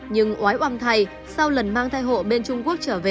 nhưng oái oăm thay sau lần mang thai hộ bên trung quốc trở về